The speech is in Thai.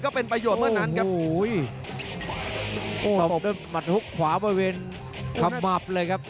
ก็เป็นประโยชน์เมื่อนั้นครับ